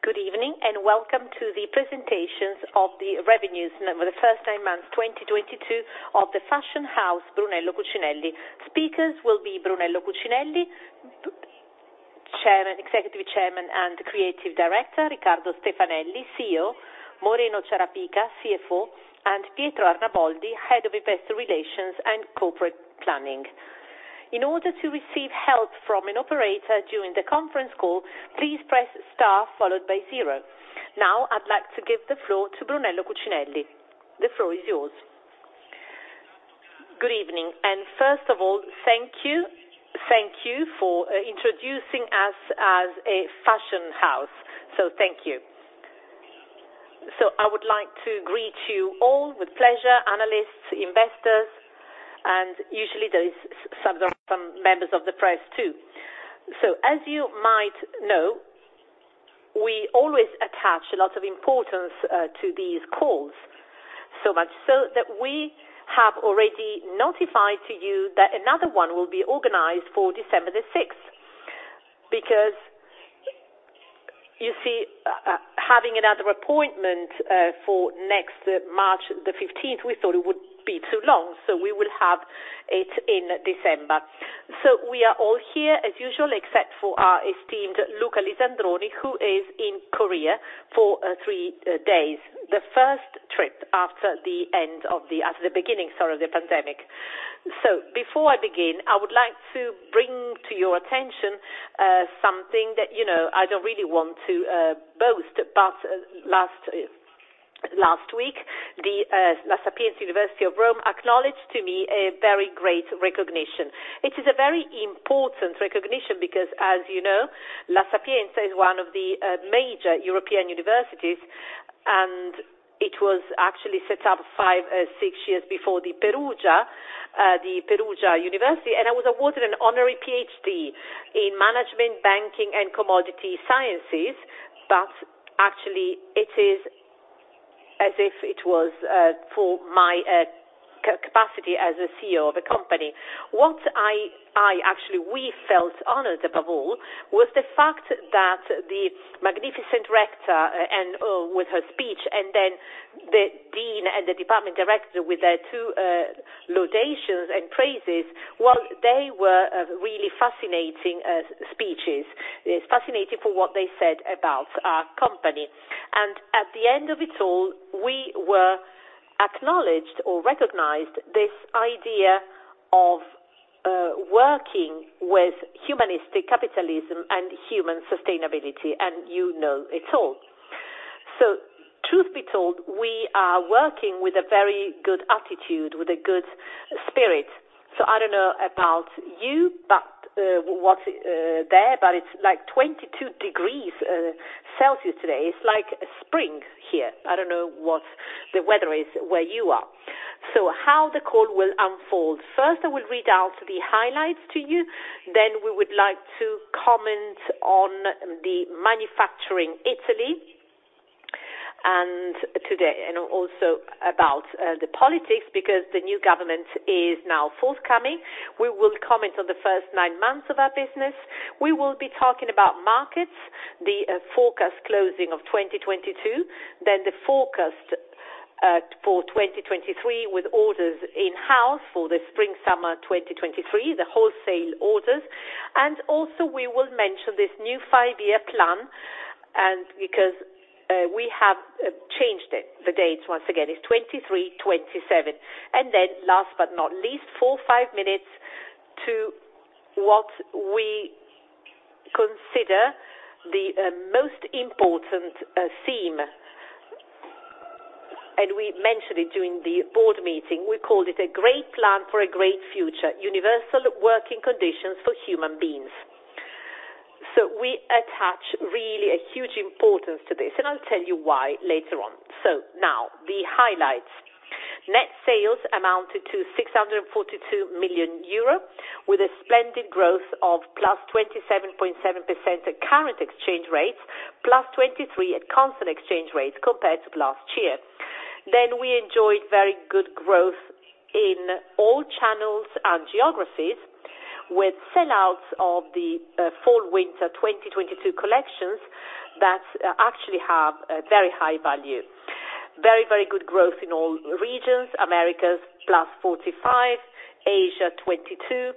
Good evening, and welcome to the presentations of the revenues for the first 9 months 2022 of the fashion house Brunello Cucinelli. Speakers will be Brunello Cucinelli, Executive Chairman and Creative Director, Riccardo Stefanelli, CEO, Moreno Ciarapica, CFO, and Pietro Arnaboldi, Head of Investor Relations and Corporate Planning. In order to receive help from an operator during the conference call, please press star followed by zero. Now, I'd like to give the floor to Brunello Cucinelli. The floor is yours. Good evening. First of all, thank you for introducing us as a fashion house. Thank you. I would like to greet you all with pleasure, analysts, investors, and usually there is some members of the press, too. As you might know, we always attach a lot of importance to these calls, so much so that we have already notified to you that another one will be organized for December 6th. Because, you see, having another appointment for next March the fifteenth, we thought it would be too long, so we will have it in December. We are all here as usual, except for our esteemed Luca Lisandroni, who is in Korea for three days, the first trip after the beginning of the pandemic. Before I begin, I would like to bring to your attention something that, you know, I don't really want to boast, but last week, the Sapienza University of Rome acknowledged to me a very great recognition. It is a very important recognition because, as you know, La Sapienza is one of the major European universities, and it was actually set up 5, 6 years before the University of Perugia, and I was awarded an honorary PhD in Management, Banking, and Commodity Sciences. Actually it is as if it was for my capacity as a CEO of a company. What we actually felt honored above all was the fact that the magnificent rector with her speech and then the dean and the department director with their two laudations and praises, well, they were really fascinating speeches. It's fascinating for what they said about our company. At the end of it all, we were acknowledged or recognized this idea of working with humanistic capitalism and human sustainability, and you know it all. Truth be told, we are working with a very good attitude, with a good spirit. I don't know about you, but it's like 22 degrees Celsius today. It's like spring here. I don't know what the weather is where you are. How the call will unfold. First, I will read out the highlights to you, then we would like to comment on the Made in Italy and today. Also about the politics because the new government is now forthcoming. We will comment on the first nine months of our business. We will be talking about markets, the forecast closing of 2022, then the forecast for 2023 with orders in-house for the spring/summer 2023, the wholesale orders. We will mention this new five-year plan, and because we have changed it, the date once again is 2023-2027. Last but not least, 4-5 minutes to what we consider the most important theme, and we mentioned it during the board meeting. We called it a great plan for a great future, universal working conditions for human beings. We attach really a huge importance to this, and I'll tell you why later on. Now the highlights. Net sales amounted to 642 million euro, with a splendid growth of +27.7% at current exchange rates, +23% at constant exchange rates compared to last year. We enjoyed very good growth in all channels and geographies, with sellouts of the fall/winter 2022 collections that actually have a very high value. Very, very good growth in all regions, Americas +45, Asia 22.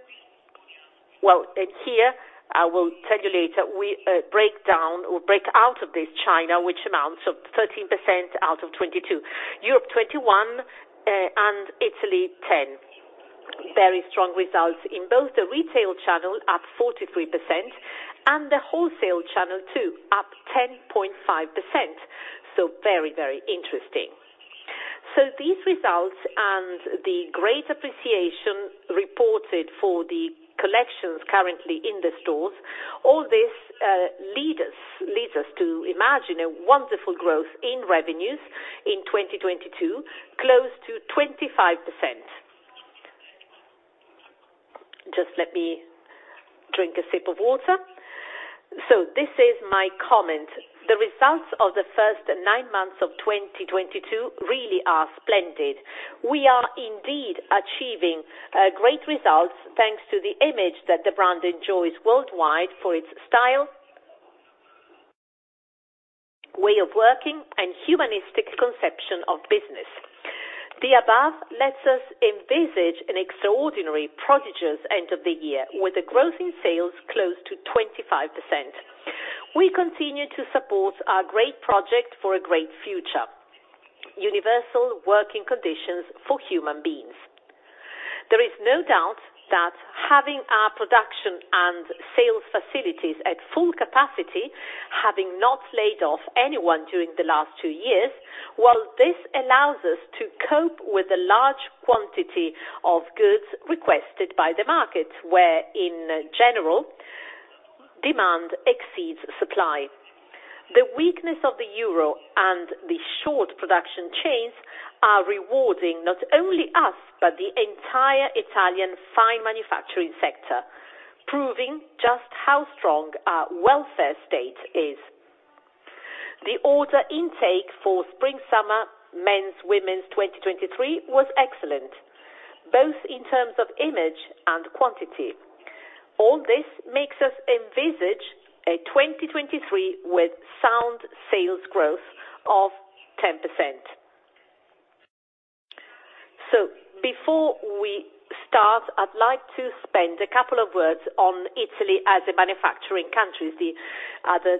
Here I will tell you later, we break down or break out of this China, which amounts to 13% out of 22. Europe 21, and Italy 10. Very strong results in both the retail channel, up 43%, and the wholesale channel, too, up 10.5%. Very, very interesting. These results and the great appreciation reported for the collections currently in the stores, all this leads us to imagine a wonderful growth in revenues in 2022, close to 25%. Just let me drink a sip of water. This is my comments. The results of the first nine months of 2022 really are splendid. We are indeed achieving great results thanks to the image that the brand enjoys worldwide for its style, way of working, and humanistic conception of business. The above lets us envisage an extraordinary, prodigious end of the year with a growth in sales close to 25%. We continue to support our great project for a great future, universal working conditions for human beings. There is no doubt that having our production and sales facilities at full capacity, having not laid off anyone during the last two years, while this allows us to cope with the large quantity of goods requested by the markets, where in general, demand exceeds supply. The weakness of the euro and the short production chains are rewarding not only us, but the entire Italian fine manufacturing sector, proving just how strong our welfare state is. The order intake for Spring/Summer men's/women's 2023 was excellent, both in terms of image and quantity. All this makes us envisage a 2023 with sound sales growth of 10%. Before we start, I'd like to spend a couple of words on Italy as a manufacturing country. The day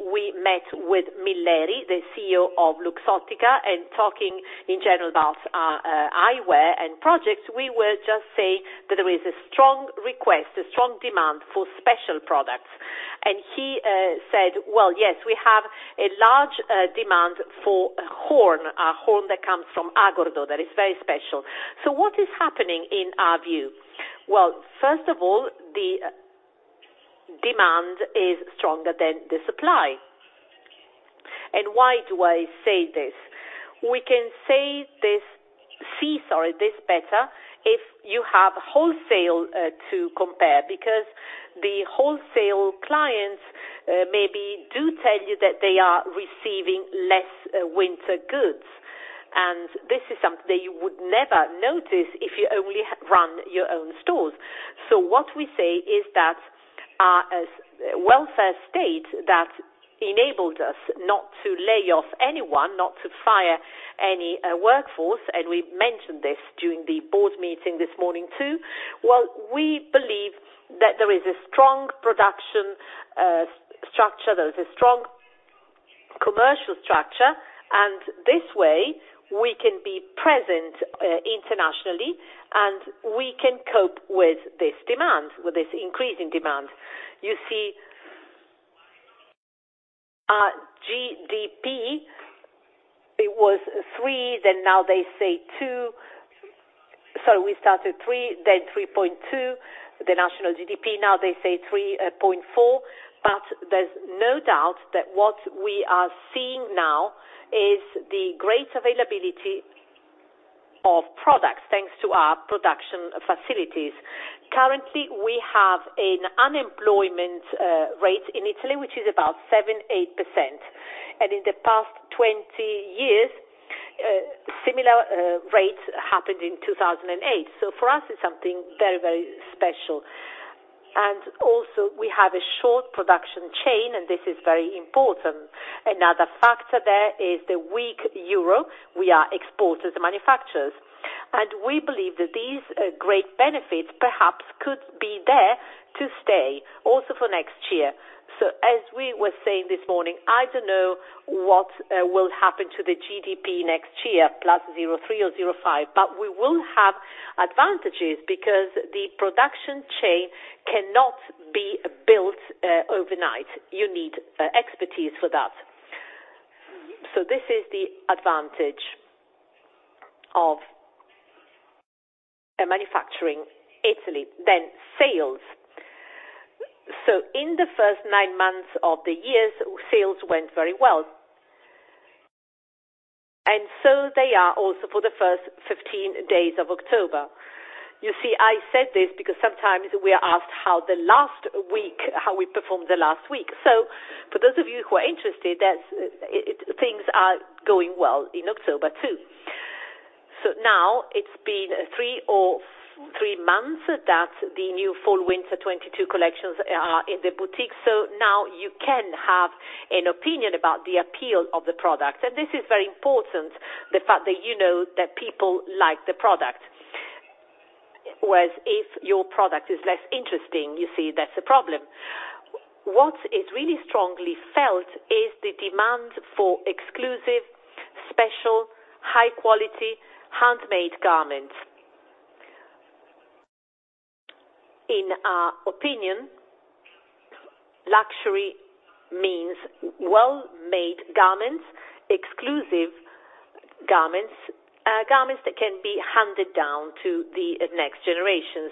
we met with Milleri, the CEO of Luxottica, and talking in general about eyewear and projects, we were just saying that there is a strong request, a strong demand for special products. He said, "Well, yes, we have a large demand for horn, a horn that comes from Agordo that is very special." What is happening in our view? Well, first of all, the demand is stronger than the supply. Why do I say this? We can say this is better if you have wholesale to compare, because the wholesale clients maybe do tell you that they are receiving less winter goods. This is something that you would never notice if you only run your own stores. What we say is that our welfare state that enabled us not to lay off anyone, not to fire any workforce, and we mentioned this during the board meeting this morning, too. We believe that there is a strong production structure, there is a strong commercial structure, and this way we can be present internationally, and we can cope with this demand, with this increase in demand. GDP, it was 3%, then now they say 2%. Sorry, we started 3%, then 3.2%, the national GDP. Now they say 3.4%. There's no doubt that what we are seeing now is the great availability of products, thanks to our production facilities. Currently, we have an unemployment rate in Italy, which is about 7%-8%. In the past 20 years, similar rates happened in 2008. For us, it's something very, very special. Also we have a short production chain, and this is very important. Another factor there is the weak euro. We are exporters and manufacturers. We believe that these great benefits perhaps could be there to stay, also for next year. As we were saying this morning, I don't know what will happen to the GDP next year, +0.3% or +0.5%, but we will have advantages because the production chain cannot be built overnight. You need expertise for that. This is the advantage of manufacturing in Italy. Sales. In the first nine months of the year, sales went very well. They are also for the first 15 days of October. You see, I said this because sometimes we are asked how we performed last week. For those of you who are interested, things are going well in October, too. Now it's been three months that the new fall/winter 2022 collections are in the boutique. Now you can have an opinion about the appeal of the product. This is very important, the fact that you know that people like the product. Whereas if your product is less interesting, you see that's a problem. What is really strongly felt is the demand for exclusive, special, high-quality, handmade garments. In our opinion, luxury means well-made garments, exclusive garments that can be handed down to the next generations.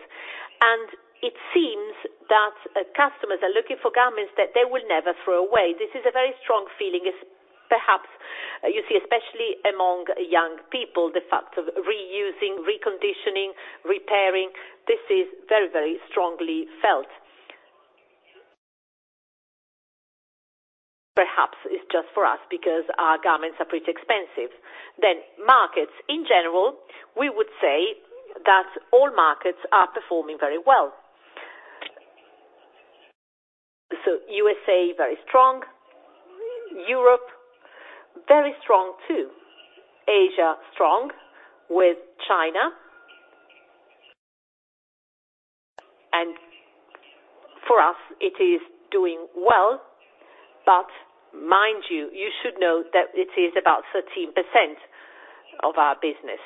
It seems that customers are looking for garments that they will never throw away. This is a very strong feeling. You see, especially among young people, the fact of reusing, reconditioning, repairing, this is very, very strongly felt. Perhaps it's just for us because our garments are pretty expensive. Markets in general, we would say that all markets are performing very well. USA, very strong. Europe, very strong too. Asia, strong with China. For us, it is doing well. Mind you should know that it is about 13% of our business.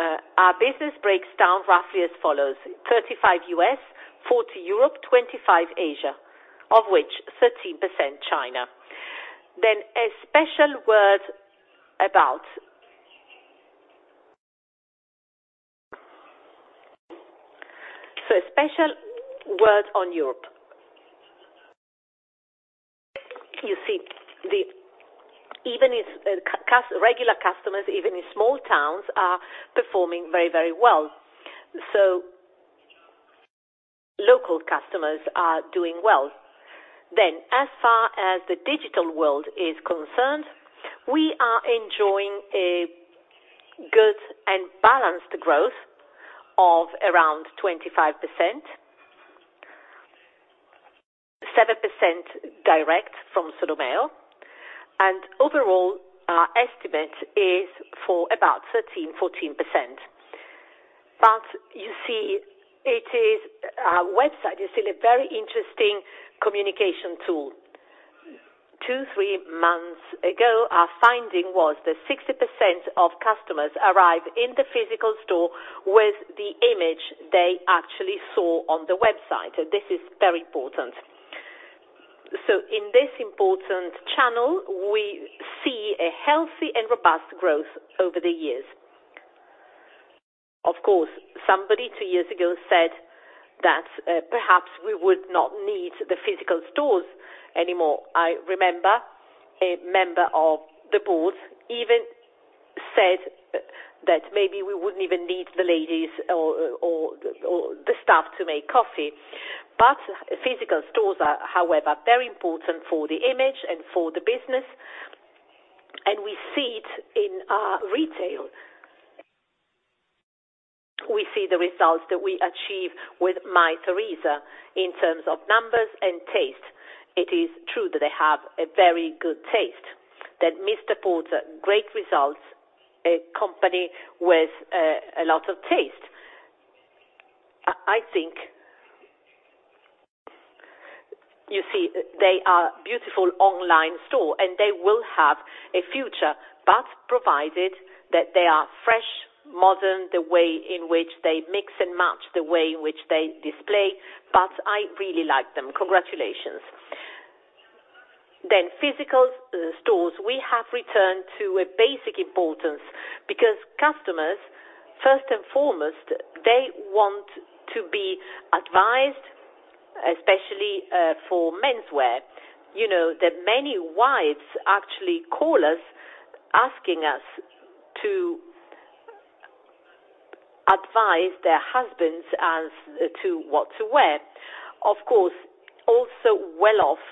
Our business breaks down roughly as follows: 35 US, 40 Europe, 25 Asia, of which 13% China. A special word on Europe. You see, even if regular customers, even in small towns, are performing very, very well. Local customers are doing well. As far as the digital world is concerned, we are enjoying a good and balanced growth of around 25%. 7% direct from Solomeo. Overall, our estimate is for about 13%-14%. You see, our website is still a very interesting communication tool. Two, three months ago, our finding was that 60% of customers arrive in the physical store with the image they actually saw on the website. This is very important. In this important channel, we see a healthy and robust growth over the years. Of course, somebody two years ago said that, perhaps we would not need the physical stores anymore. I remember a member of the board even said that maybe we wouldn't even need the ladies or the staff to make coffee. Physical stores are, however, very important for the image and for the business, and we see it in our retail. We see the results that we achieve with Mytheresa in terms of numbers and taste. It is true that they have a very good taste. MR PORTER, great results, a company with a lot of taste. I think you see, they are beautiful online store, and they will have a future, but provided that they are fresh, modern, the way in which they mix and match, the way in which they display. I really like them. Congratulations. Physical stores we have returned to a basic importance because customers, first and foremost, they want to be advised, especially for menswear. You know that many wives actually call us asking us to advise their husbands as to what to wear. Of course, also well-off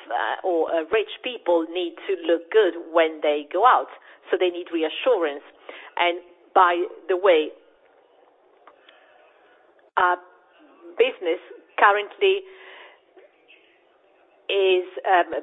or rich people need to look good when they go out, so they need reassurance. By the way, our business currently is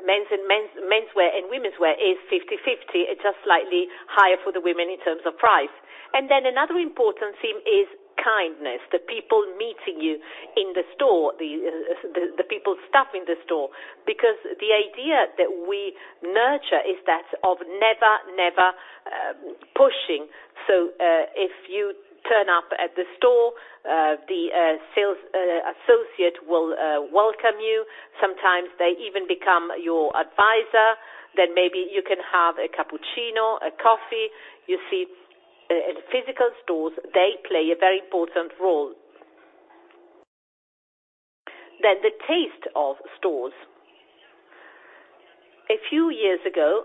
men's and women's menswear and womenswear is 50/50. It's just slightly higher for the women in terms of price. Another important theme is kindness. The people meeting you in the store, the people staffing the store, because the idea that we nurture is that of never pushing. If you turn up at the store, the sales associate will welcome you. Sometimes they even become your advisor. Maybe you can have a cappuccino, a coffee. You see, physical stores, they play a very important role. The taste of stores. A few years ago,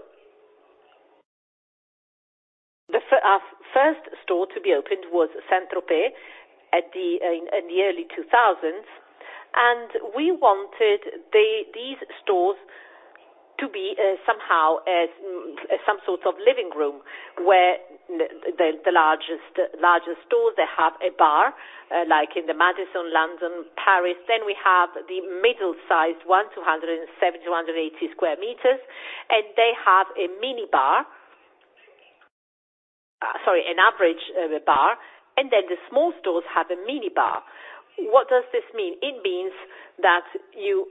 our first store to be opened was Saint-Tropez in the early 2000s, and we wanted these stores to be somehow a some sort of living room, where the largest stores, they have a bar like in the Madison, London, Paris. We have the middle sized one, 270-180 square meters, and they have a minibar. Sorry, an average bar. Then the small stores have a minibar. What does this mean? It means that you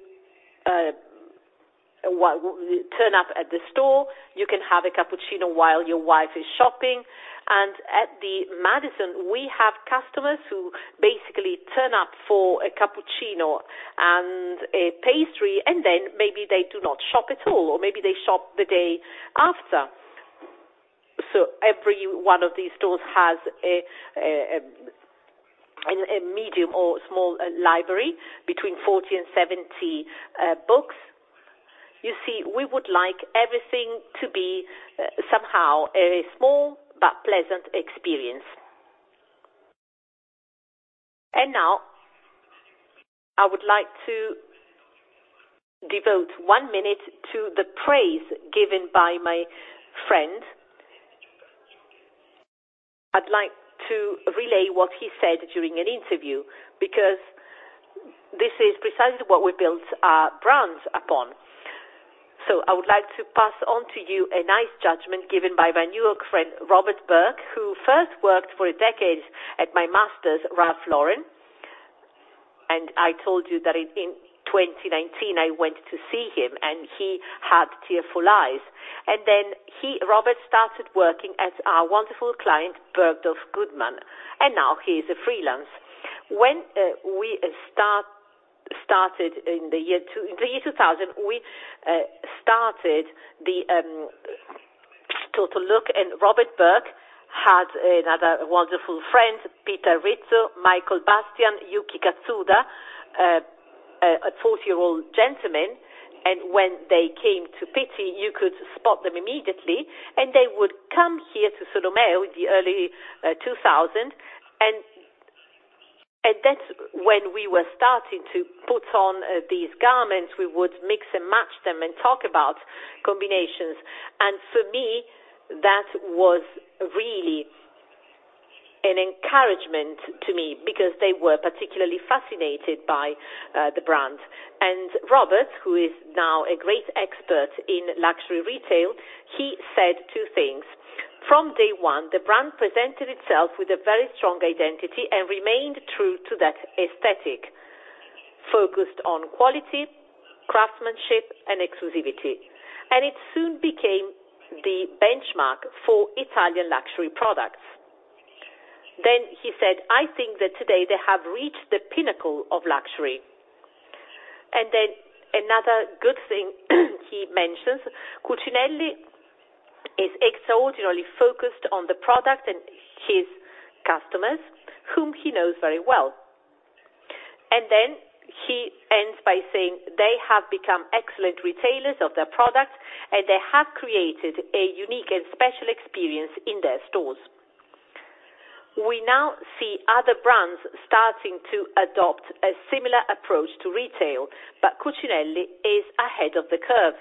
turn up at the store. You can have a cappuccino while your wife is shopping. At the Madison, we have customers who basically turn up for a cappuccino and a pastry, and then maybe they do not shop at all, or maybe they shop the day after. Every one of these stores has a medium or small library between 40 and 70 books. You see, we would like everything to be somehow a small but pleasant experience. Now I would like to devote 1 minute to the praise given by my friend. I'd like to relay what he said during an interview, because this is precisely what we built our brands upon. I would like to pass on to you a nice judgment given by my New York friend, Robert Burke, who first worked for a decade at my master's, Ralph Lauren. I told you that in 2019 I went to see him, and he had tearful eyes. Then he, Robert, started working at our wonderful client, Bergdorf Goodman, and now he is a freelance. When we started in the year 2000, we started the total look, and Robert Burke had another wonderful friend, Peter Rizzo, Michael Bastian, Yuki Katsuta, a 40-year-old gentleman. When they came to Pitti, you could spot them immediately, and they would come here to Solomeo in the early 2000. That's when we were starting to put on these garments. We would mix and match them and talk about combinations. For me, that was really an encouragement to me because they were particularly fascinated by the brand. Robert, who is now a great expert in luxury retail, he said two things. "From day one, the brand presented itself with a very strong identity and remained true to that aesthetic, focused on quality, craftsmanship, and exclusivity. And it soon became the benchmark for Italian luxury products." He said, "I think that today they have reached the pinnacle of luxury." Another good thing he mentions, "Cucinelli is extraordinarily focused on the product and his customers, whom he knows very well." He ends by saying, "They have become excellent retailers of their product, and they have created a unique and special experience in their stores. We now see other brands starting to adopt a similar approach to retail, but Cucinelli is ahead of the curve."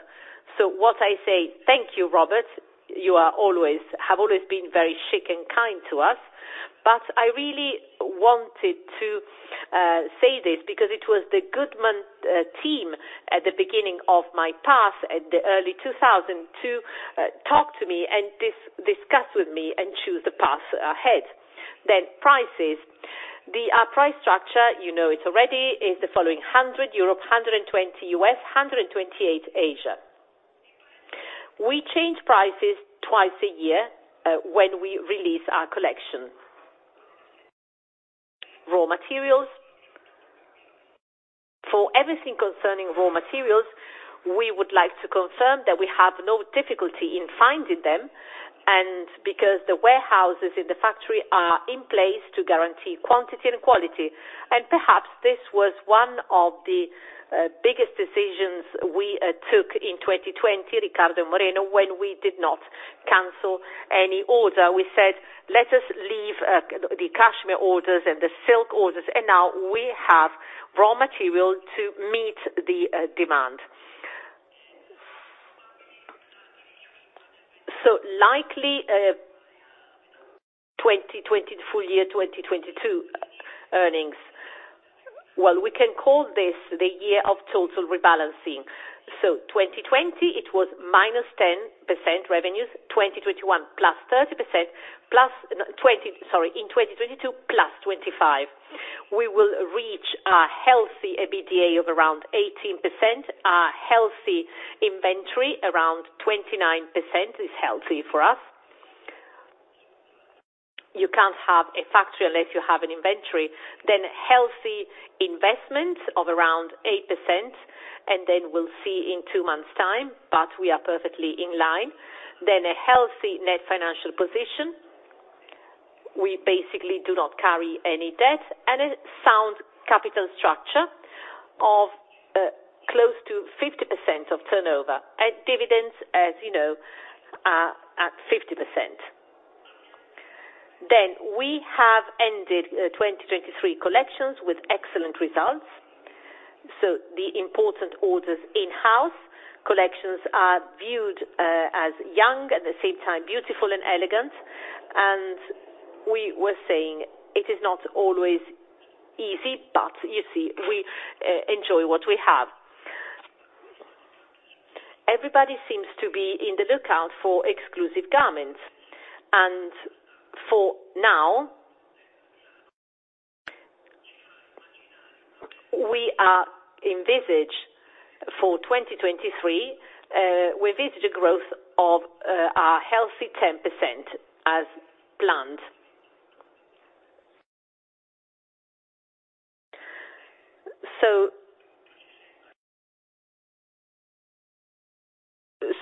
What I say, thank you, Robert. You have always been very chic and kind to us. I really wanted to say this because it was the Bergdorf Goodman team at the beginning of my path in the early 2000s to talk to me and discuss with me and choose the path ahead. Prices. The price structure, you know it already, is the following: 100 EUR, $120, $128 Asia. We change prices twice a year when we release our collection. Raw materials. For everything concerning raw materials, we would like to confirm that we have no difficulty in finding them, and because the warehouses in the factory are in place to guarantee quantity and quality. Perhaps this was one of the biggest decisions we took in 2020, Riccardo and Moreno, when we did not cancel any order. We said, "Let us leave the cashmere orders and the silk orders," and now we have raw material to meet the demand. Likely 2020 full year, 2022 earnings. Well, we can call this the year of total rebalancing. 2020 it was -10% revenues, 2021 +30%, 2022 +25%. We will reach a healthy EBITDA of around 18%. Our healthy inventory around 29% is healthy for us. You can't have a factory unless you have an inventory. Healthy investment of around 8%, and we'll see in 2 months' time, but we are perfectly in line. A healthy net financial position. We basically do not carry any debt. A sound capital structure of close to 50% of turnover. Dividends, as you know, are at 50%. We have ended 2023 collections with excellent results. The important orders. In-house collections are viewed as young, at the same time beautiful and elegant. We were saying it is not always easy, but you see, we enjoy what we have. Everybody seems to be on the lookout for exclusive garments. For now, we envisage for 2023 a growth of a healthy 10% as planned.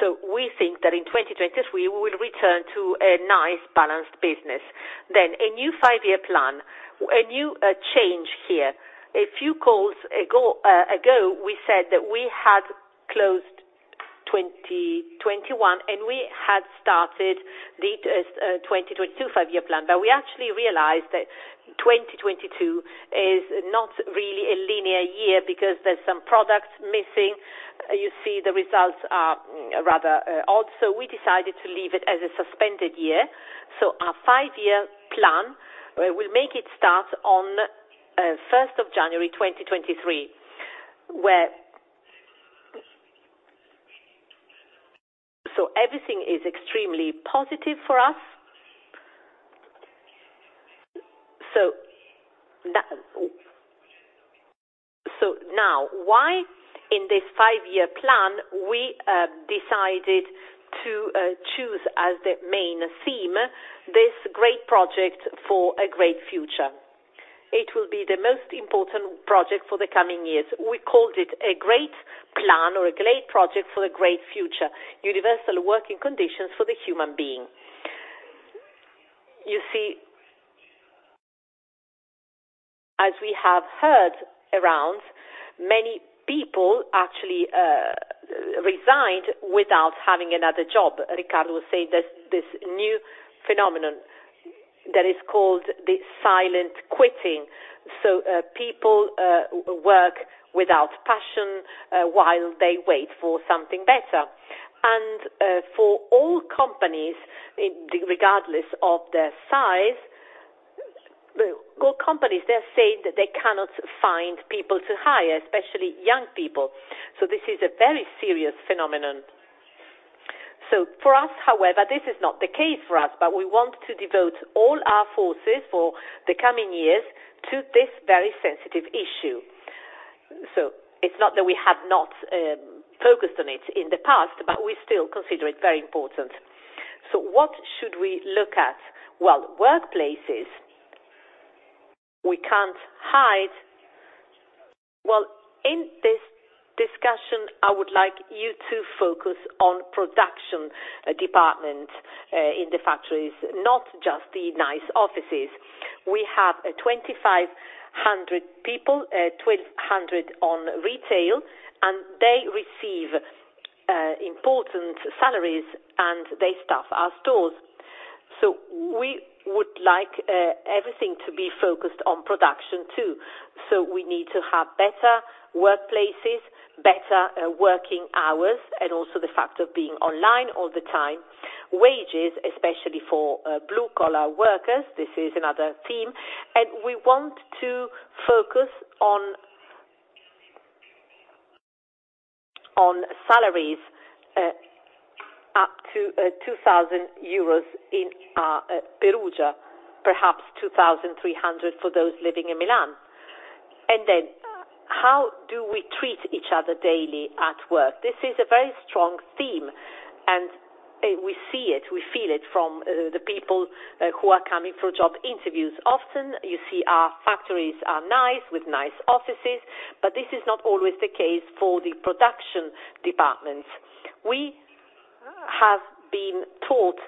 We think that in 2023, we will return to a nice balanced business. A new five-year plan, a new change here. A few calls ago, we said that we had closed 2021, and we had started the 2022 five-year plan. We actually realized that 2022 is not really a linear year because there's some products missing. You see the results are rather odd, so we decided to leave it as a suspended year. Our five-year plan, we will make it start on the first of January 2023. Everything is extremely positive for us. Now, why in this five-year plan, we decided to choose as the main theme this great project for a great future? It will be the most important project for the coming years. We called it a great plan or a great project for a great future, universal working conditions for the human being. You see, as we have heard around, many people actually resign without having another job. Riccardo was saying there's this new phenomenon that is called the quiet quitting. People work without passion while they wait for something better. For all companies, regardless of their size, all companies, they're saying that they cannot find people to hire, especially young people. This is a very serious phenomenon. For us, however, this is not the case for us, but we want to devote all our forces for the coming years to this very sensitive issue. It's not that we have not focused on it in the past, but we still consider it very important. What should we look at? Workplaces, we can't hide. In this discussion, I would like you to focus on production department in the factories, not just the nice offices. We have 2,500 people, 1,200 on retail, and they receive important salaries, and they staff our stores. We would like everything to be focused on production too. We need to have better workplaces, better working hours, and also the fact of being online all the time, wages, especially for blue collar workers. This is another theme, and we want to focus on salaries up to 2,000 euros in Perugia, perhaps 2,300 for those living in Milan. How do we treat each other daily at work? This is a very strong theme, and we see it, we feel it from the people who are coming for job interviews. Often you see our factories are nice with nice offices, but this is not always the case for the production departments. We have been taught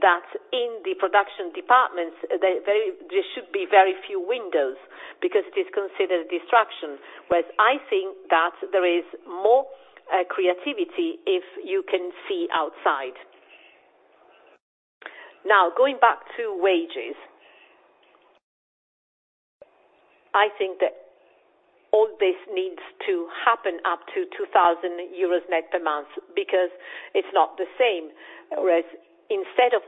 that in the production departments, there should be very few windows because it is considered distraction, whereas I think that there is more creativity if you can see outside. Now, going back to wages, I think that all this needs to happen up to 2,000 euros net per month because it's not the same. Whereas instead of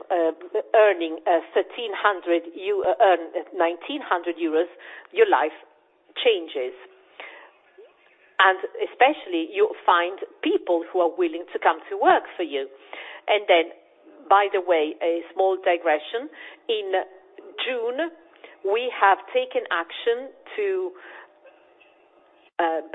earning 1,300, you earn 1,900 euros, your life changes, and especially you find people who are willing to come to work for you. By the way, a small digression. In June, we have taken action to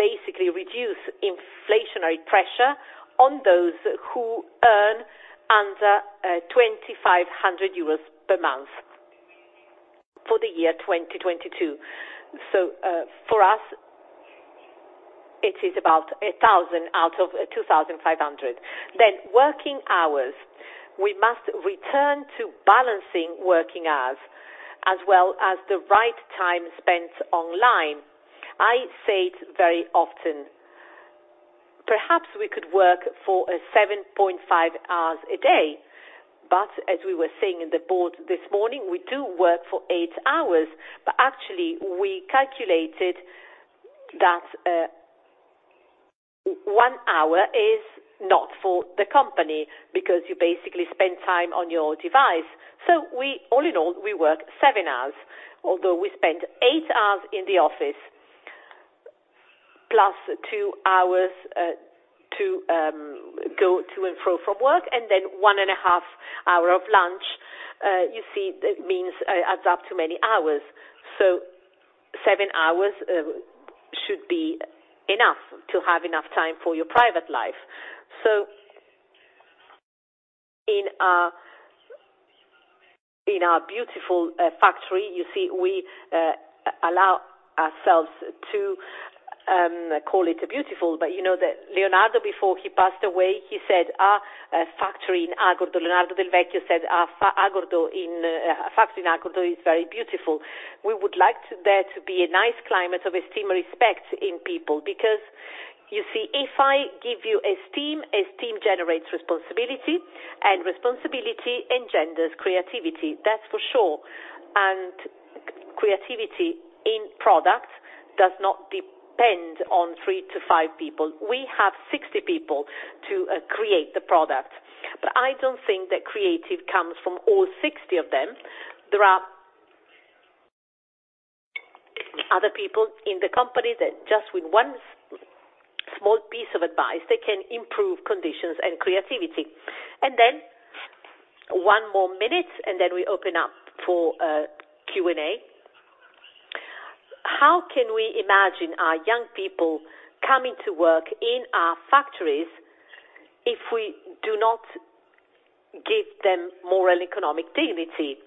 basically reduce inflationary pressure on those who earn under 2,500 euros per month for the year 2022. For us, it is about 1,000 out of 2,500. Working hours, we must return to balancing working hours as well as the right time spent online. I say it very often, perhaps we could work for 7.5 hours a day. As we were saying in the board this morning, we do work for 8 hours. Actually, we calculated that 1 hour is not for the company because you basically spend time on your device. All in all, we work 7 hours. Although we spend 8 hours in the office, plus 2 hours to go to and from work, and then one and a half hour of lunch, you see that means adds up to many hours. 7 hours should be enough to have enough time for your private life. In our beautiful factory, you see, we allow ourselves to call it beautiful, but you know that Leonardo, before he passed away, he said factory in Agordo. Leonardo Del Vecchio said Agordo in factory in Agordo is very beautiful. We would like there to be a nice climate of esteem and respect in people. Because, you see, if I give you esteem generates responsibility, and responsibility engenders creativity. That's for sure. Creativity in product does not depend on 3-5 people. We have 60 people to create the product, but I don't think that creativity comes from all 60 of them. There are other people in the company that just with one small piece of advice, they can improve conditions and creativity. Then 1 more minute, and then we open up for Q&A. How can we imagine our young people coming to work in our factories if we do not give them moral economic dignity?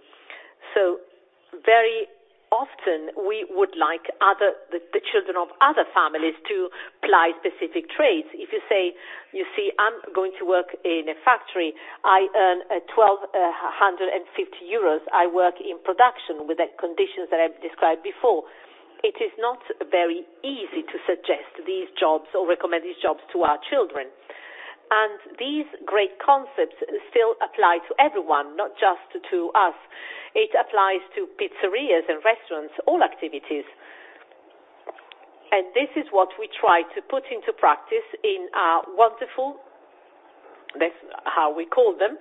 Very often we would like the children of other families to apply specific trades. If you say, "You see, I'm going to work in a factory. I earn 1,250 euros. I work in production with the conditions that I've described before," it is not very easy to suggest these jobs or recommend these jobs to our children. These great concepts still apply to everyone, not just to us. It applies to pizzerias and restaurants, all activities. This is what we try to put into practice in our wonderful, that's how we call them,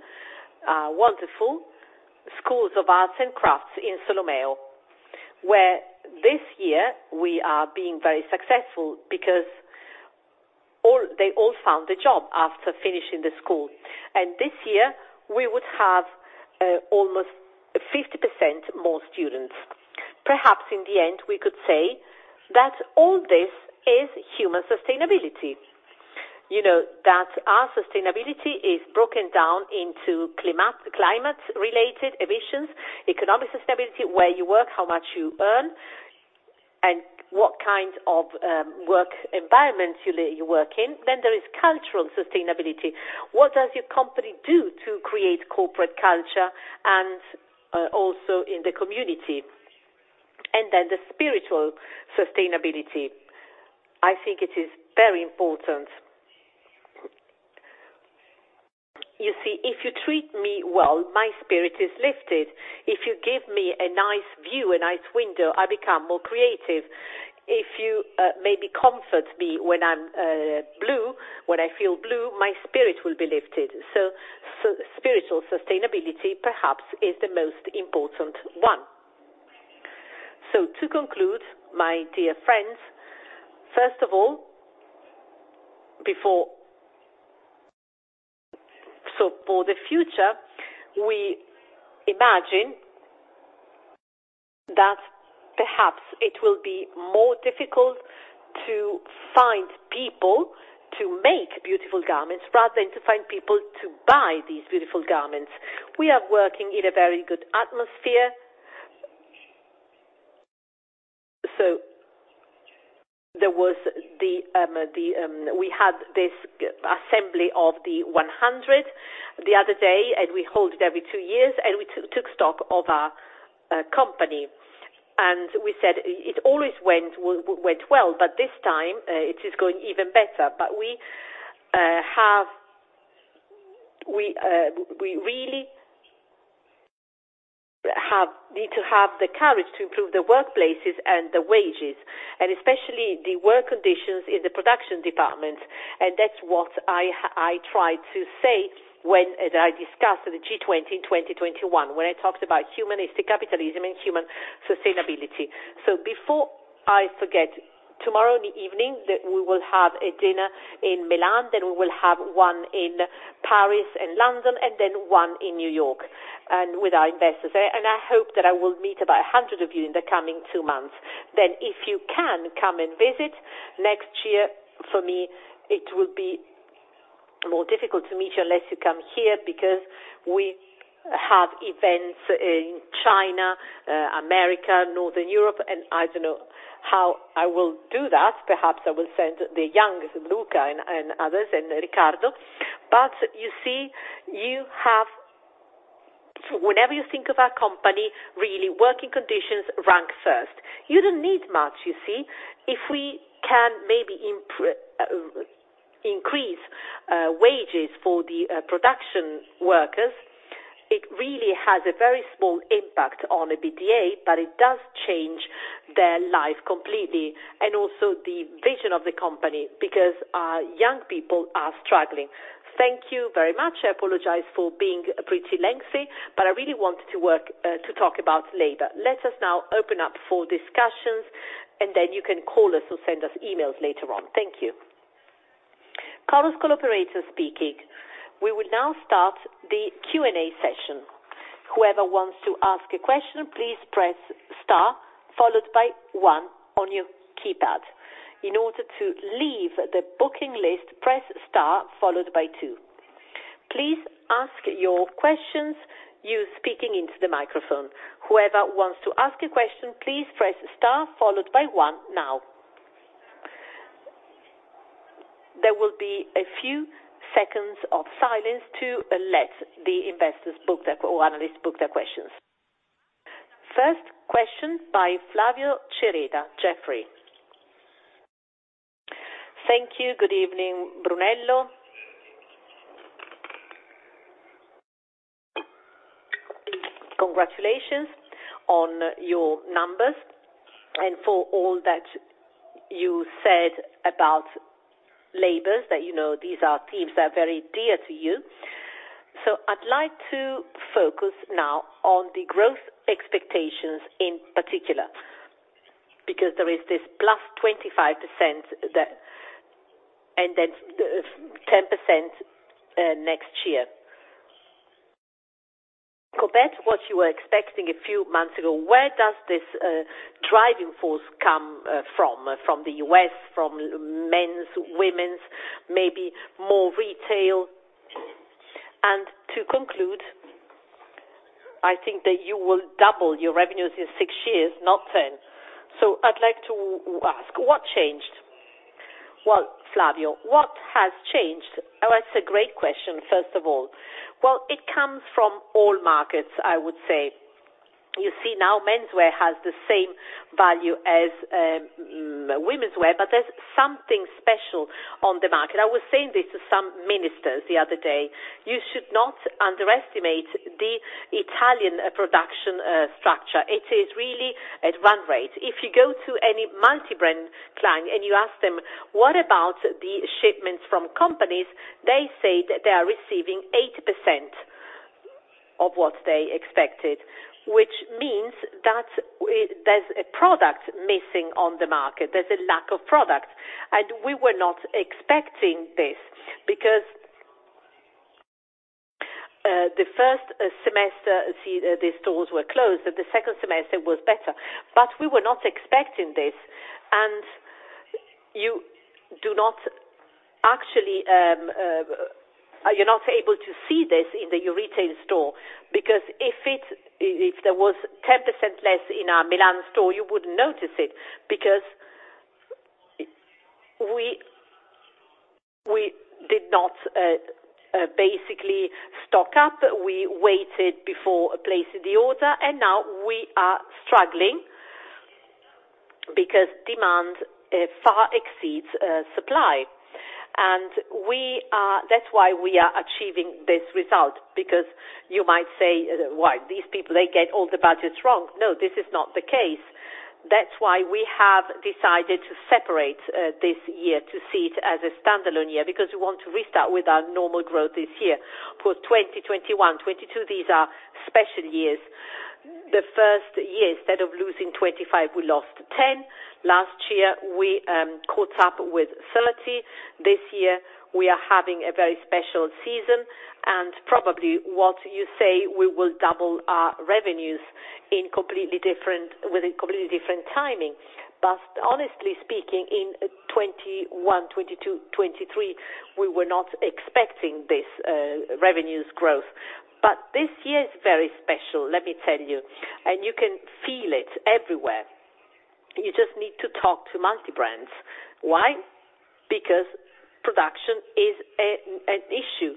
wonderful schools of arts and crafts in Solomeo. This year we are being very successful because they all found a job after finishing the school. This year we would have almost 50% more students. Perhaps in the end, we could say that all this is human sustainability. You know that our sustainability is broken down into climate related emissions, economic sustainability, where you work, how much you earn, and what kind of work environment you work in. There is cultural sustainability. What does your company do to create corporate culture and also in the community? The spiritual sustainability. I think it is very important. You see, if you treat me well, my spirit is lifted. If you give me a nice view, a nice window, I become more creative. If you maybe comfort me when I'm blue, when I feel blue, my spirit will be lifted. Spiritual sustainability perhaps is the most important one. To conclude, my dear friends, first of all, before. For the future, we imagine that perhaps it will be more difficult to find people to make beautiful garments rather than to find people to buy these beautiful garments. We are working in a very good atmosphere. There was the. We had this assembly of the one hundred the other day, and we hold it every two years, and we took stock of our company. We said it always went well, but this time it is going even better. We have. We really need to have the courage to improve the workplaces and the wages, and especially the work conditions in the production departments. That's what I tried to say when I discussed the G20 in 2021, when I talked about humanistic capitalism and human sustainability. Before I forget, tomorrow in the evening, we will have a dinner in Milan, then we will have one in Paris and London, and then one in New York, and with our investors. I hope that I will meet about 100 of you in the coming two months. If you can come and visit next year, for me, it will be more difficult to meet you unless you come here because we have events in China, America, Northern Europe, and I don't know how I will do that. Perhaps I will send the youngest, Luca and others, and Riccardo. You see, whenever you think of our company, really, working conditions rank first. You don't need much, you see. If we can maybe increase wages for the production workers, it really has a very small impact on EBITDA, but it does change their life completely and also the vision of the company, because our young people are struggling. Thank you very much. I apologize for being pretty lengthy, but I really wanted to talk about labor. Let us now open up for discussions, and then you can call us or send us emails later on. Thank you. Carlos call operator speaking. We will now start the Q&A session. Whoever wants to ask a question, please press star followed by one on your keypad. In order to leave the booking list, press star followed by two. Please ask your questions, you speaking into the microphone. Whoever wants to ask a question, please press star followed by one now. There will be a few seconds of silence to let the investors book their, or analysts book their questions. First question by Flavio Cereda, Jefferies. Thank you. Good evening, Brunello. Congratulations on your numbers and for all that you said about labels, that, you know, these are themes that are very dear to you. I'd like to focus now on the growth expectations in particular, because there is this +25% that. Then 10% next year. Compared to what you were expecting a few months ago, where does this driving force come from? From the U.S., from men's, women's, maybe more retail? To conclude, I think that you will double your revenues in six years, not 10. I'd like to ask, what changed? Well, Flavio, what has changed? Oh, that's a great question, first of all. Well, it comes from all markets, I would say. You see now menswear has the same value as women's wear, but there's something special on the market. I was saying this to some ministers the other day. You should not underestimate the Italian production structure. It is really a re-rate. If you go to any multi-brand client and you ask them, what about the shipments from companies, they say that they are receiving 80% of what they expected, which means that there's a product missing on the market, there's a lack of product. We were not expecting this because the first semester, the stores were closed, and the second semester was better. We were not expecting this. You do not actually, you're not able to see this in the retail store, because if there was 10% less in our Milan store, you wouldn't notice it because we did not basically stock up. We waited before placing the order, and now we are struggling because demand far exceeds supply. We are. That's why we are achieving this result. Because you might say, "Why? These people, they get all the budgets wrong." No, this is not the case. That's why we have decided to separate this year, to see it as a standalone year, because we want to restart with our normal growth this year. For 2021, 2022, these are special years. The first year, instead of losing 25, we lost 10. Last year, we caught up with 30. This year, we are having a very special season, and probably what you say, we will double our revenues in completely different, with a completely different timing. Honestly speaking, in 2021, 2022, 2023, we were not expecting this revenues growth. This year is very special, let me tell you, and you can feel it everywhere. You just need to talk to multi-brands. Why? Because production is an issue.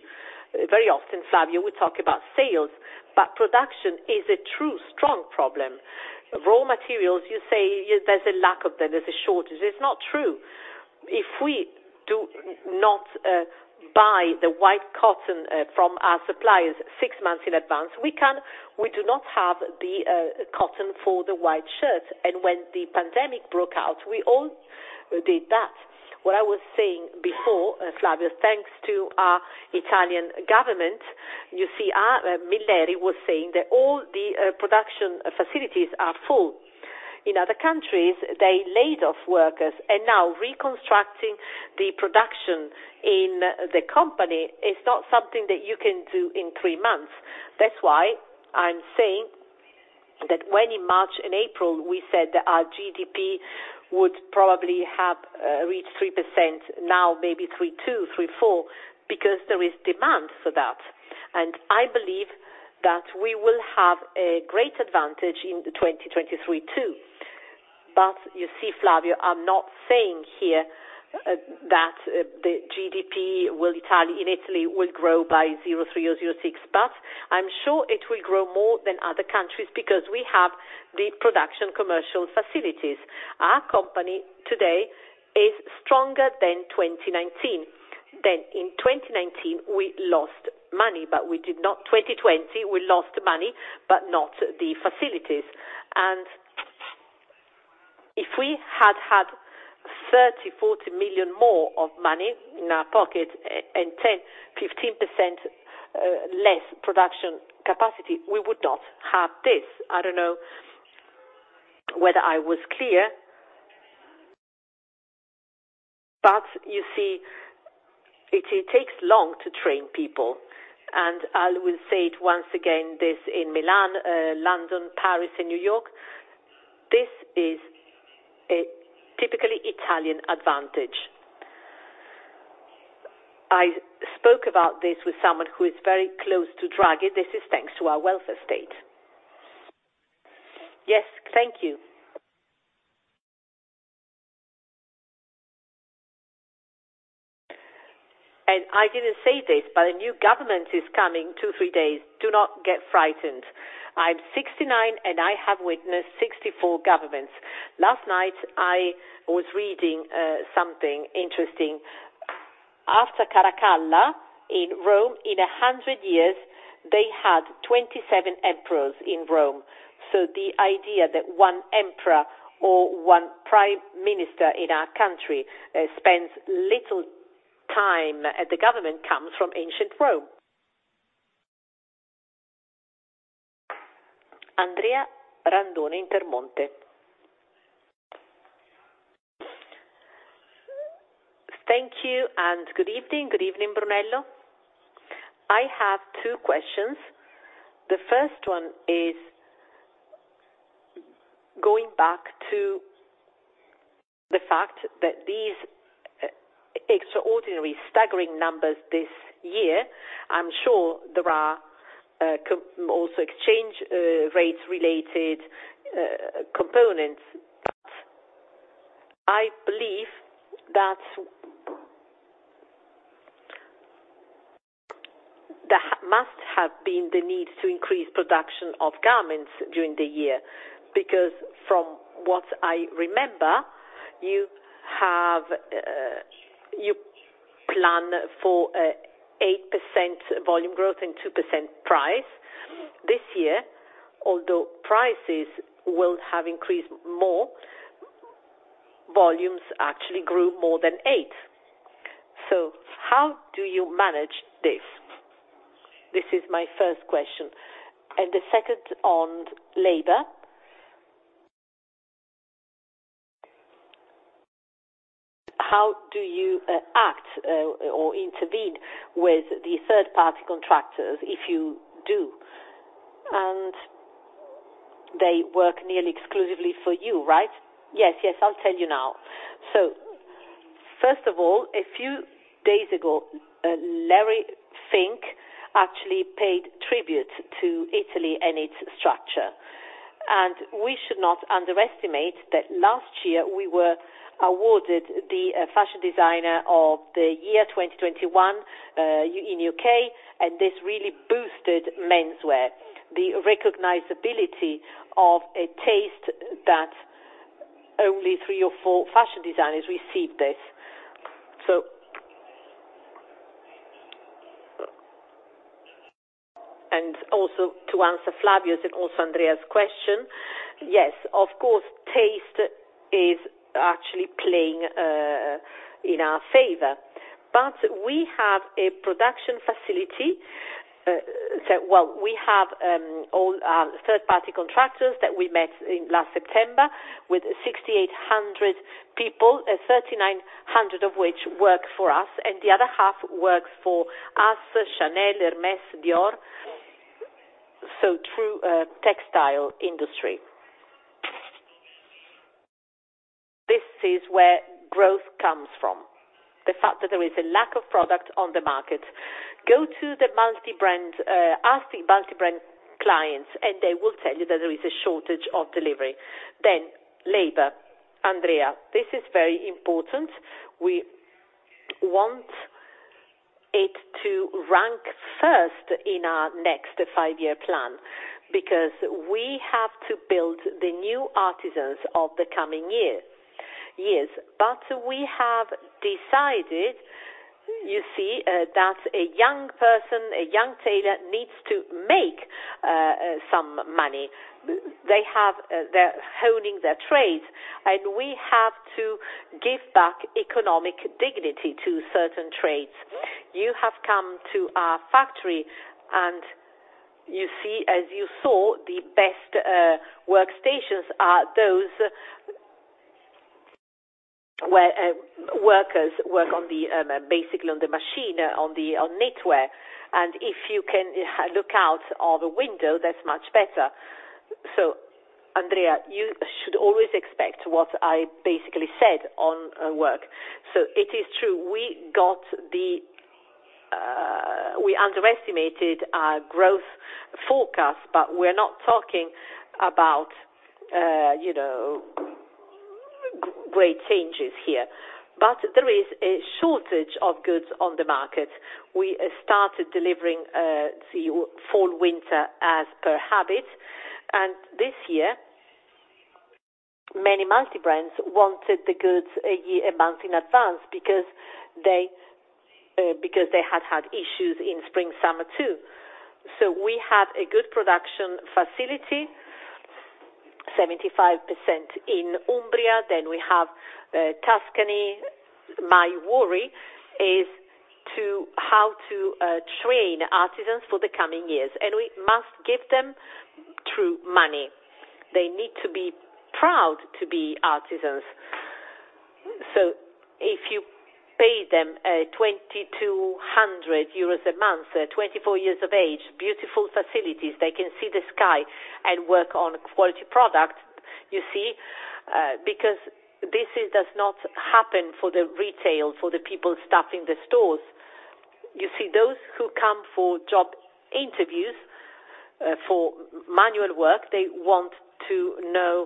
Very often, Flavio, we talk about sales, but production is a true strong problem. Raw materials, you say there's a lack of them, there's a shortage. It's not true. If we do not buy the white cotton from our suppliers six months in advance, we do not have the cotton for the white shirts. When the pandemic broke out, we all did that. What I was saying before, Flavio Cereda, thanks to our Italian government, you see, our Francesco Milleri was saying that all the production facilities are full. In other countries, they laid off workers, and now reconstructing the production in the company is not something that you can do in three months. That's why I'm saying that when in March and April, we said that our GDP would probably have reached 3%, now maybe 3.2, 3.4, because there is demand for that. I believe that we will have a great advantage in 2023 too. You see, Flavio, I'm not saying here that the GDP in Italy will grow by 0.3% or 0.6%. I'm sure it will grow more than other countries because we have the production commercial facilities. Our company today is stronger than 2019. In 2019, we lost money, but we did not. In 2020, we lost money, but not the facilities. If we had 30-EUR 40 million more of money in our pocket and 10%-15% less production capacity, we would not have this. I don't know whether I was clear. You see, it takes long to train people, and I will say it once again, this in Milan, London, Paris, and New York, this is a typically Italian advantage. I spoke about this with someone who is very close to Draghi. This is thanks to our welfare state. Yes, thank you. I didn't say this, but a new government is coming 2-3 days. Do not get frightened. I'm 69, and I have witnessed 64 governments. Last night I was reading something interesting. After Caracalla in Rome, in 100 years, they had 27 emperors in Rome. The idea that one emperor or one prime minister in our country spends little time at the government comes from ancient Rome. Andrea Randone, Intermonte. Thank you and good evening. Good evening, Brunello. I have two questions. The first one is going back to the fact that these extraordinary, staggering numbers this year, I'm sure there are also exchange rates related components. I believe that there must have been the need to increase production of garments during the year. Because from what I remember, you have you plan for 8% volume growth and 2% price. This year, although prices will have increased more, volumes actually grew more than 8%. How do you manage this? This is my first question. The second on labor, how do you act or intervene with the third-party contractors, if you do? They work nearly exclusively for you, right? Yes. Yes, I'll tell you now. First of all, a few days ago, Larry Fink actually paid tribute to Italy and its structure. We should not underestimate that last year we were awarded the Fashion Designer of the Year, 2021, in U.K., and this really boosted menswear. The recognizability of a taste that only three or four fashion designers received this. To answer Flavio's and also Andrea's question, yes, of course, taste is actually playing in our favor. We have a production facility. Well, we have all third-party contractors that we met in last September with 6,800 people, 3,900 of which work for us, and the other half works for us, Chanel, Hermès, Dior, so through textile industry. This is where growth comes from, the fact that there is a lack of product on the market. Go to the multi-brand, ask the multi-brand clients, and they will tell you that there is a shortage of delivery. Labor. Andrea, this is very important. We want it to rank first in our next five-year plan because we have to build the new artisans of the coming years. We have decided, you see, that a young person, a young tailor needs to make some money. They're honing their trades, and we have to give back economic dignity to certain trades. You have come to our factory, and you see, as you saw, the best workstations are those where workers work on basically on the machine on knitwear. If you can look out of the window, that's much better. Andrea, you should always expect what I basically said on work. It is true, we underestimated our growth forecast, but we're not talking about you know, great changes here. There is a shortage of goods on the market. We started delivering the fall/winter as per habit. This year, many multi-brands wanted the goods a year, a month in advance because they had issues in Spring/Summer too. We have a good production facility, 75% in Umbria, then we have Tuscany. My worry is how to train artisans for the coming years, and we must give them true money. They need to be proud to be artisans. If you pay them 2,200 euros a month, at 24 years of age, beautiful facilities, they can see the sky and work on quality product. You see, because this does not happen for the retail, for the people staffing the stores. You see, those who come for job interviews for manual work, they want to know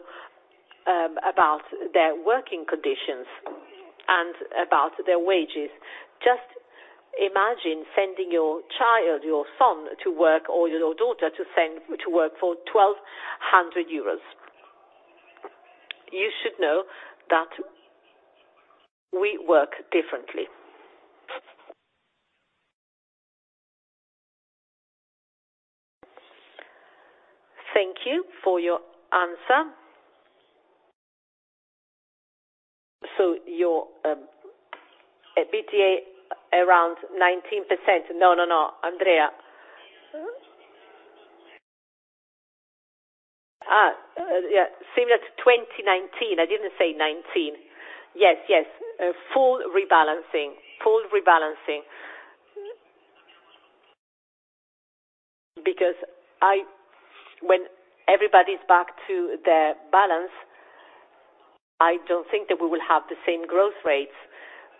about their working conditions and about their wages. Just imagine sending your child, your son, to work, or your daughter, to send to work for 1,200 euros. You should know that we work differently. Thank you for your answer. Your EBITDA around 19%. No, Andrea. Yeah, similar to 2019. I didn't say 19. Yes. A full rebalancing. When everybody's back to their balance, I don't think that we will have the same growth rates.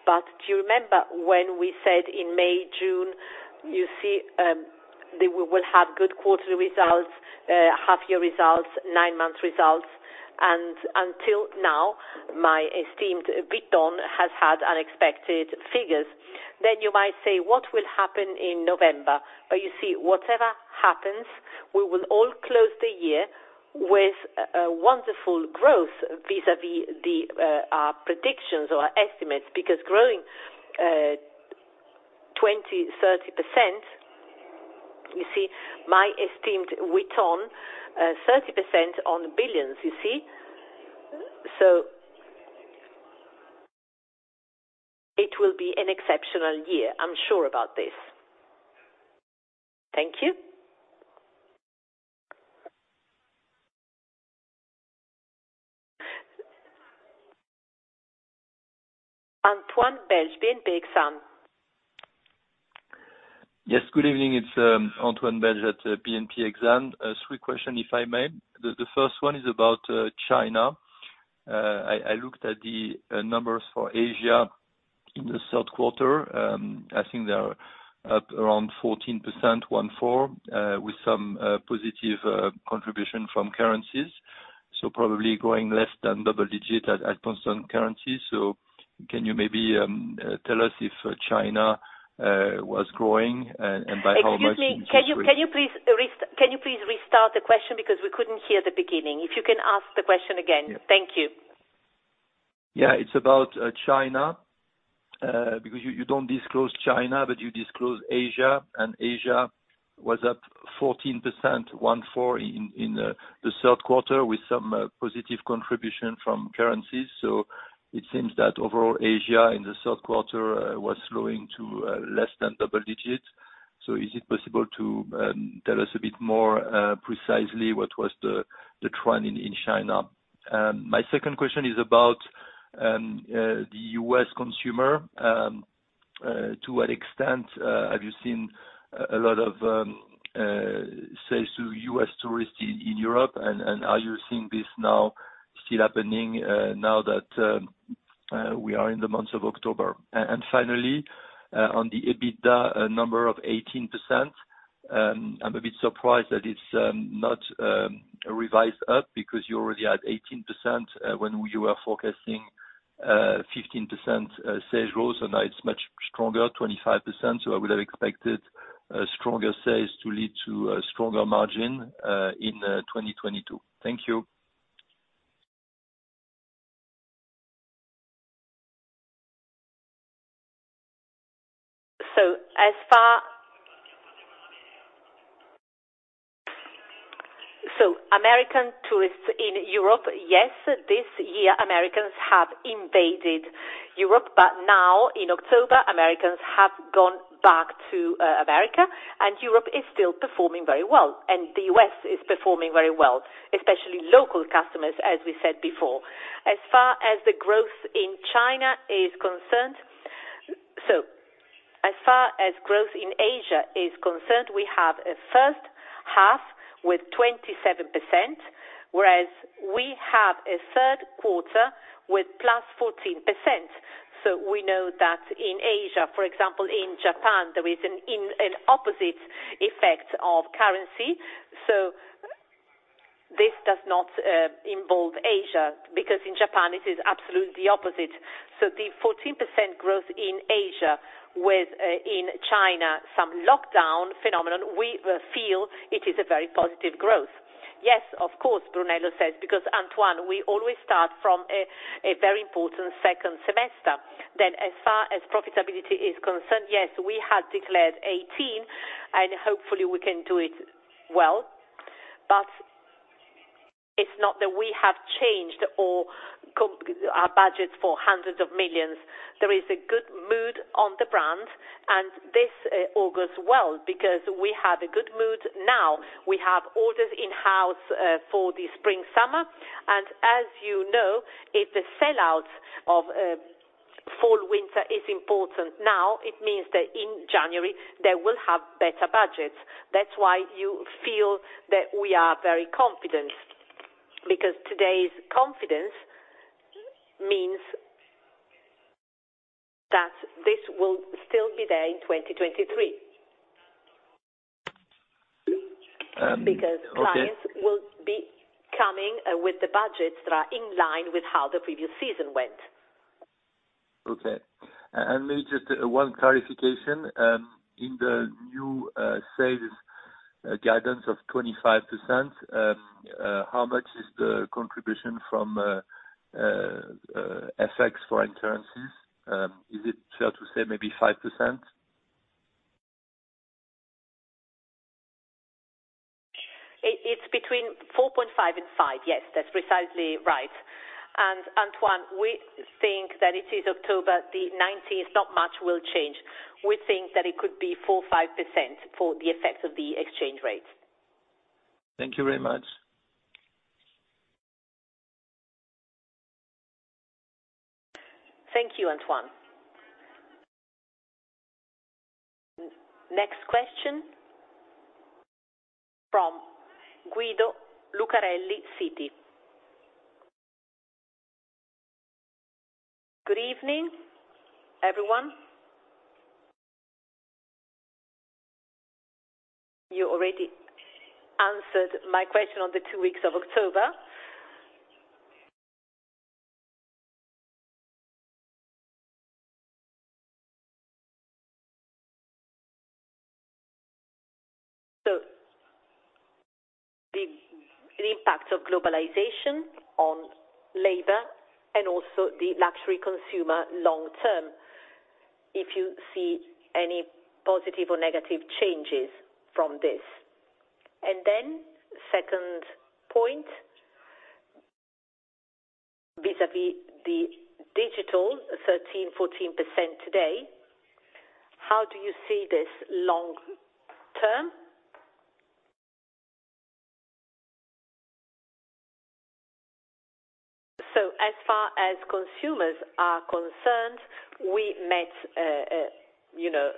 Do you remember when we said in May, June, that we will have good quarterly results, half year results, nine-month results, and until now, my esteemed Louis Vuitton has had unexpected figures. You might say, "What will happen in November?" You see, whatever happens, we will all close the year with wonderful growth vis-à-vis our predictions or our estimates, because growing 20%, 30%, you see, my esteemed Vuitton, 30% on billions, you see. It will be an exceptional year. I'm sure about this. Thank you. Antoine Belge, BNP Paribas Exane. Yes, good evening. It's Antoine Belge at BNP Paribas Exane. Three questions, if I may. The first one is about China. I looked at the numbers for Asia in the third quarter. I think they are up around 14%, with some positive contribution from currencies. Probably growing less than double digits at constant currency. Can you maybe tell us if China was growing and by how much? Excuse me. Can you please restart the question because we couldn't hear the beginning? If you can ask the question again. Yeah. Thank you. Yeah, it's about China because you don't disclose China, but you disclose Asia, and Asia was up 14% in the third quarter with some positive contribution from currencies. It seems that overall Asia in the third quarter was slowing to less than double digits. Is it possible to tell us a bit more precisely what was the trend in China? My second question is about the U.S. consumer. To what extent have you seen a lot of sales to U.S. tourists in Europe? And are you seeing this now still happening now that we are in the months of October? Finally, on the EBITDA number of 18%, I'm a bit surprised that it's not revised up because you already had 18% when you were forecasting 15% sales growth, and now it's much stronger, 25%. I would have expected stronger sales to lead to a stronger margin in 2022. Thank you. American tourists in Europe, yes. This year, Americans have invaded Europe, but now in October, Americans have gone back to America, and Europe is still performing very well, and the U.S. is performing very well, especially local customers, as we said before. As far as growth in Asia is concerned, we have a first half with 27%, whereas we have a third quarter with +14%. We know that in Asia, for example, in Japan, there is an opposite effect of currency. This does not involve Asia because in Japan it is absolutely opposite. The 14% growth in Asia with, in China, some lockdown phenomenon, we feel it is a very positive growth. Yes, of course, Brunello says, because Antoine, we always start from a very important second semester. As far as profitability is concerned, yes, we had declared 18% and hopefully we can do it well. It's not that we have changed our budgets for EUR hundreds of millions. There is a good mood on the brand, and this all goes well because we have a good mood now. We have orders in-house for the spring/summer, and as you know, if the sell-out of fall/winter is important now, it means that in January, they will have better budgets. That's why you feel that we are very confident, because today's confidence means that this will still be there in 2023. Okay. Because clients will be coming, with the budgets that are in line with how the previous season went. Okay. Maybe just one clarification. In the new sales guidance of 25%, how much is the contribution from FX foreign currencies? Is it fair to say maybe 5%? It's between 4.5% and 5%. Yes, that's precisely right. Antoine, we think that it is October the 19th, not much will change. We think that it could be 4.5% for the effect of the exchange rate. Thank you very much. Thank you, Antoine. Next question from Guido Lucarelli, Citi. Good evening, everyone. You already answered my question on the two weeks of October. The impact of globalization on labor and also the luxury consumer long term, if you see any positive or negative changes from this. Then second point, vis-à-vis the digital 13%-14% today, how do you see this long term? As far as consumers are concerned, we met, you know,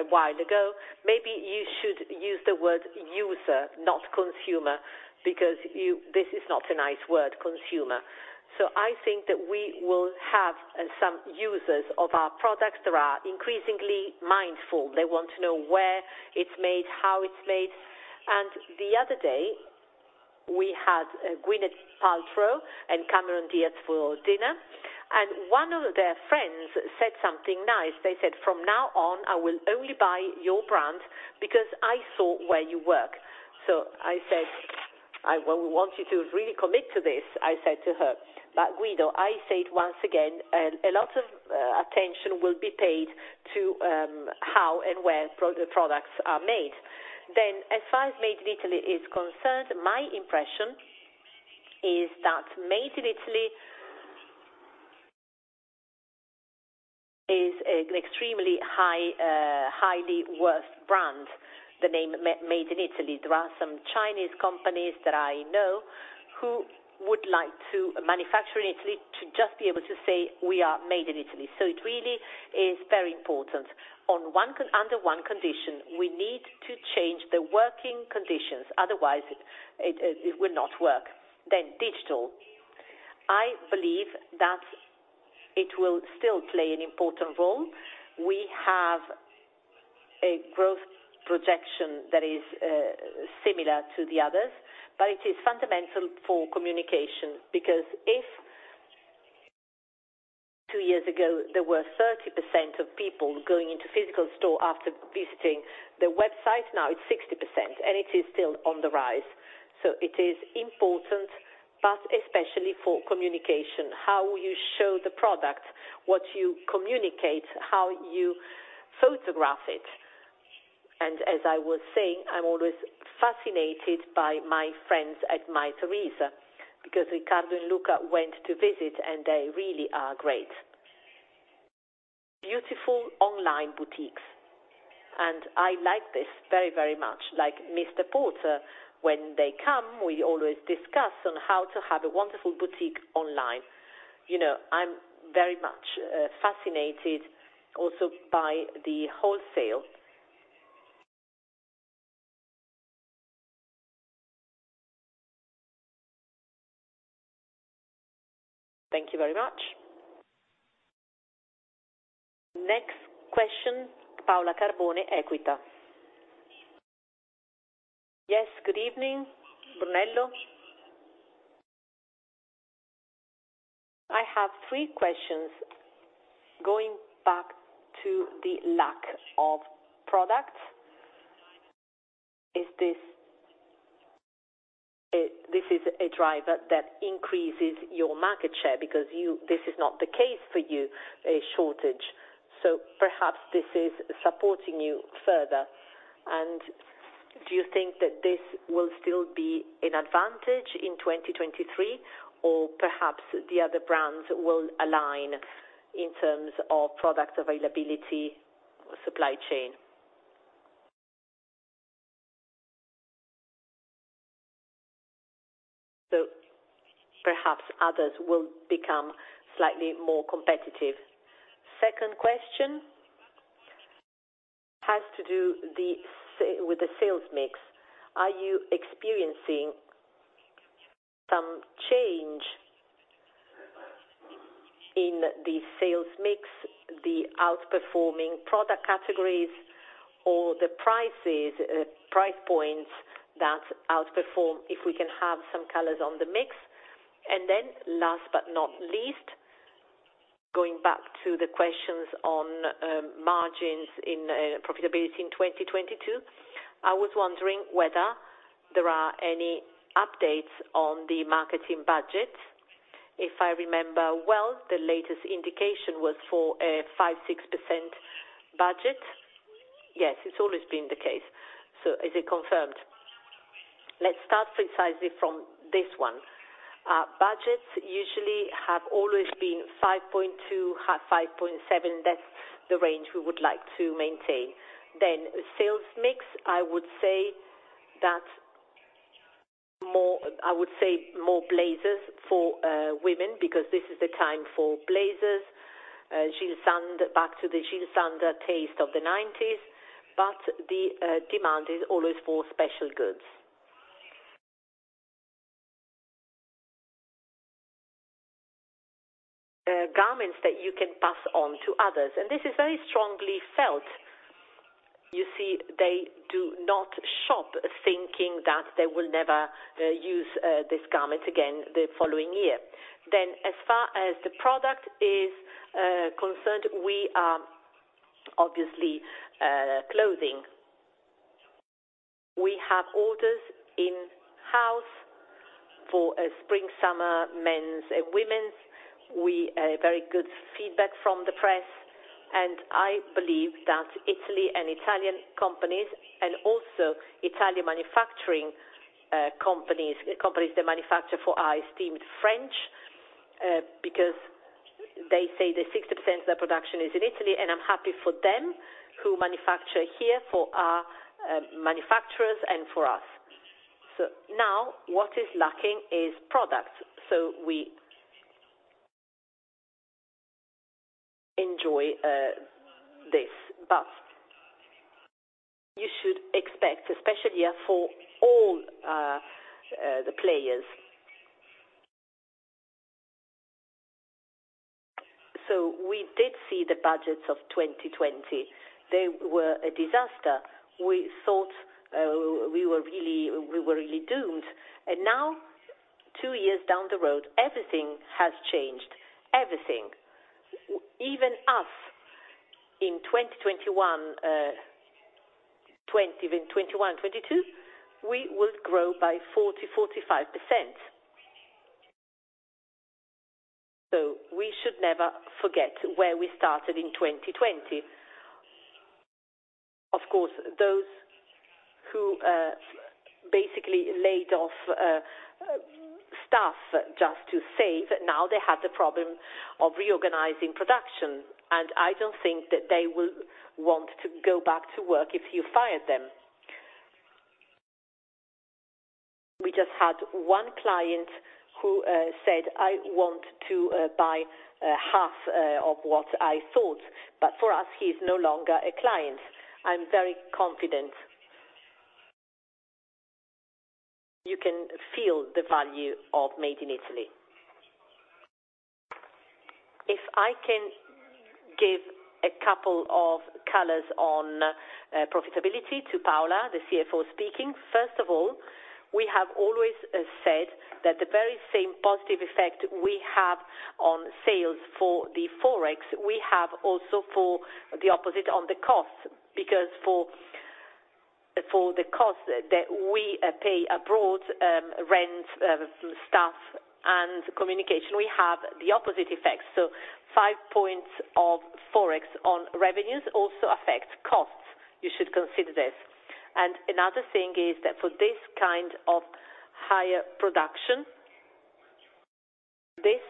a while ago, maybe you should use the word user, not consumer, because this is not a nice word, consumer. I think that we will have some users of our products that are increasingly mindful. They want to know where it's made, how it's made. The other day, we had Gwyneth Paltrow and Cameron Diaz for dinner, and one of their friends said something nice. They said, "From now on, I will only buy your brand because I saw where you work." I said, "I, well, we want you to really commit to this," I said to her. Guido, I say it once again, and a lot of attention will be paid to how and where the products are made. As far as Made in Italy is concerned, my impression is that Made in Italy is an extremely high, highly worth brand, the name Made in Italy. There are some Chinese companies that I know who would like to manufacture in Italy to just be able to say, "We are made in Italy." It really is very important. Under one condition, we need to change the working conditions, otherwise it will not work. Digital. I believe that it will still play an important role. We have a growth projection that is similar to the others, but it is fundamental for communication because if two years ago, there were 30% of people going into physical store after visiting the website, now it's 60%, and it is still on the rise. It is important, but especially for communication, how you show the product, what you communicate, how you photograph it. As I was saying, I'm always fascinated by my friends at Mytheresa because Riccardo and Luca went to visit, and they really are great. Beautiful online boutiques, and I like this very, very much. Like MR PORTER, when they come, we always discuss on how to have a wonderful boutique online. You know, I'm very much fascinated also by the wholesale. Thank you very much. Next question, Paola Carboni, Equita. Yes, good evening, Brunello. I have three questions. Going back to the lack of products, is this a driver that increases your market share because for you this is not the case, a shortage. Perhaps this is supporting you further. Do you think that this will still be an advantage in 2023? Perhaps the other brands will align in terms of product availability, supply chain. Perhaps others will become slightly more competitive. Second question has to do with the sales mix. Are you experiencing some change in the sales mix, the outperforming product categories or the prices, price points that outperform if we can have some color on the mix? Last but not least, going back to the questions on margins in profitability in 2022, I was wondering whether there are any updates on the marketing budget. If I remember well, the latest indication was for a 5%-6% budget. Yes, it's always been the case. Is it confirmed? Let's start precisely from this one. Budgets usually have always been 5.2 to 5.7. That's the range we would like to maintain. Then sales mix, I would say that more blazers for women, because this is the time for blazers. Jil Sander, back to the Jil Sander taste of the nineties. But the demand is always for special goods. Garments that you can pass on to others, and this is very strongly felt. You see, they do not shop thinking that they will never use this garment again the following year. As far as the product is concerned, we are obviously closing. We have orders in-house for a spring summer men's and women's. We very good feedback from the press, and I believe that Italy and Italian companies and also Italian manufacturing companies that manufacture for our esteemed French because they say that 60% of their production is in Italy, and I'm happy for them who manufacture here for our manufacturers and for us. Now what is lacking is product. We enjoy this. You should expect, especially, for all the players. We did see the budgets of 2020. They were a disaster. We thought we were really doomed. Now, two years down the road, everything has changed. Everything. Even us in 2021, 2022, we will grow by 45%. We should never forget where we started in 2020. Of course, those who basically laid off staff just to save, now they have the problem of reorganizing production, and I don't think that they will want to go back to work if you fired them. We just had one client who said, "I want to buy half of what I thought," but for us, he's no longer a client. I'm very confident. You can feel the value of Made in Italy. If I can give a couple of colors on profitability to Paola, the CFO speaking, first of all, we have always said that the very same positive effect we have on sales for the Forex, we have also for the opposite on the costs. For the cost that we pay abroad, rent, staff, and communication, we have the opposite effect. 5 points of Forex on revenues also affect costs. You should consider this. Another thing is that for this kind of higher production, this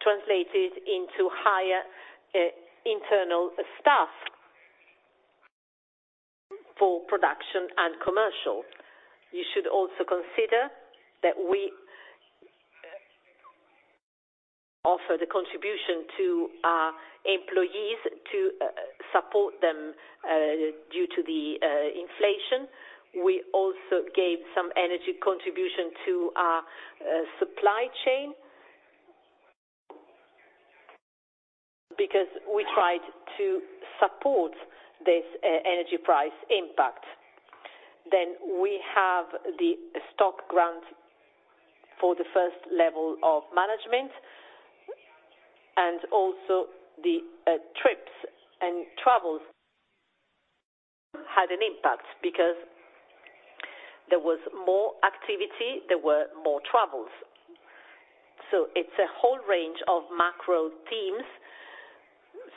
translated into higher internal staff for production and commercial. You should also consider that we offer the contribution to our employees to support them due to the inflation. We also gave some energy contribution to our supply chain. We tried to support this energy price impact. We have the stock grant for the first level of management and also the trips and travels had an impact because there was more activity, there were more travels. It's a whole range of macro themes,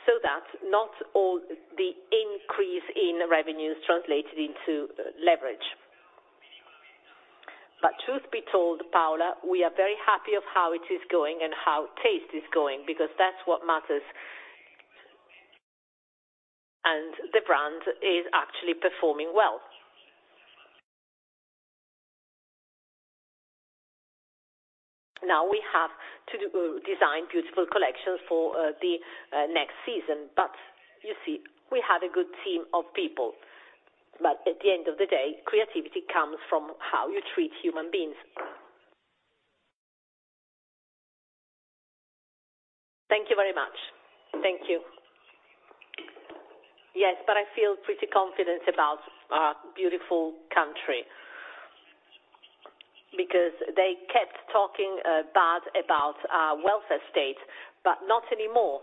so that not all the increase in revenue is translated into leverage. Truth be told, Paola, we are very happy of how it is going and how taste is going, because that's what matters. The brand is actually performing well. Now we have to design beautiful collections for the next season. You see, we have a good team of people. At the end of the day, creativity comes from how you treat human beings. Thank you very much. Thank you. Yes, but I feel pretty confident about our beautiful country because they kept talking bad about our welfare state, but not anymore.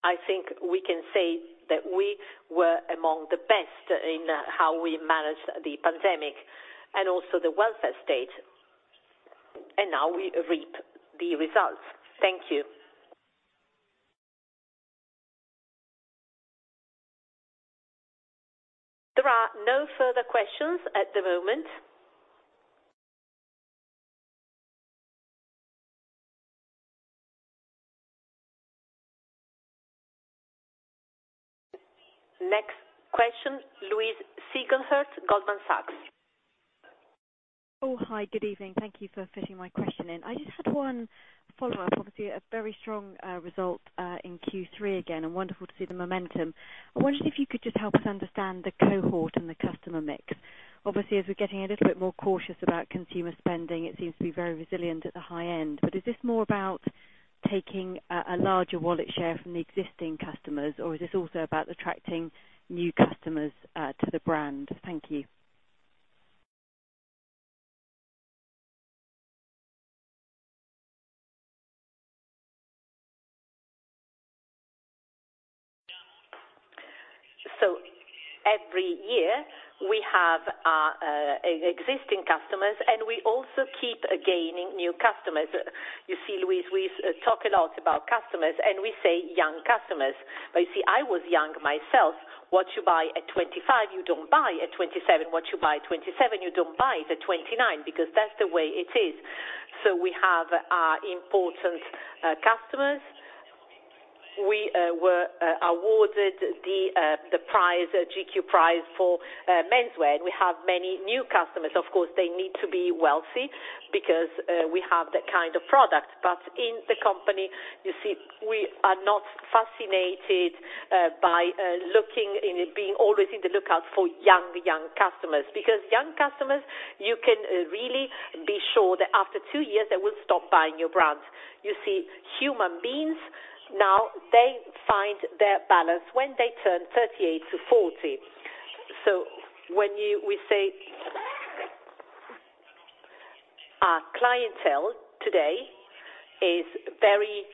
I think we can say that we were among the best in how we managed the pandemic and also the welfare state. Now we reap the results. Thank you. There are no further questions at the moment. Next question, Louise Singlehurst, Goldman Sachs. Oh, hi, good evening. Thank you for fitting my question in. I just had one follow-up. Obviously, a very strong result in Q3 again and wonderful to see the momentum. I wondered if you could just help us understand the cohort and the customer mix. Obviously, as we're getting a little bit more cautious about consumer spending, it seems to be very resilient at the high end. Is this more about taking a larger wallet share from the existing customers, or is this also about attracting new customers to the brand? Thank you. Every year, we have our existing customers, and we also keep gaining new customers. You see, Louise, we talk a lot about customers, and we say young customers. But you see, I was young myself. What you buy at 25, you don't buy at 27. What you buy at 27, you don't buy at 29, because that's the way it is. We have our important customers. We were awarded the GQ prize for menswear, and we have many new customers. Of course, they need to be wealthy because we have that kind of product. But in the company, you see, we are not fascinated by looking and being always on the lookout for young customers. Because young customers, you can really be sure that after 2 years, they will stop buying your brand. You see human beings, now they find their balance when they turn 38-40. We say our clientele today is very